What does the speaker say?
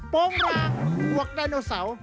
โปรงลางอวกไดโนเสาร์